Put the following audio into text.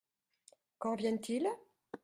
Quand viennent-ils ?